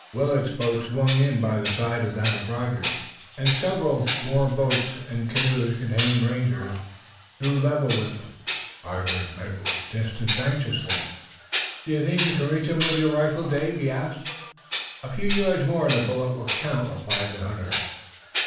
Willet's boat swung in by the side of that of Rogers, and several more boats and canoes, containing rangers, drew level with them. Rogers measured the distance anxiously. "Do you think you can reach them with your rifle, Dave?" he asked. "A few yards more and a bullet will count," replied the hunter.